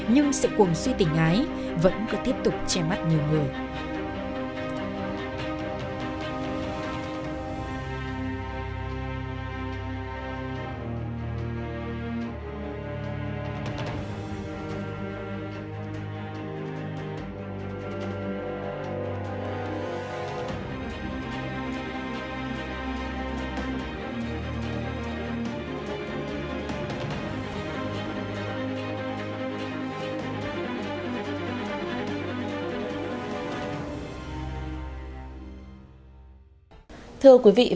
nhưng sự cuồng suy tình ái vẫn cứ tiếp tục che mắt nhiều người